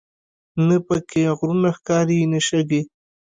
نه په کې غرونه ښکاري نه شګې.